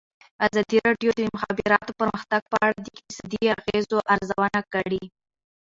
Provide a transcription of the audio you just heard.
ازادي راډیو د د مخابراتو پرمختګ په اړه د اقتصادي اغېزو ارزونه کړې.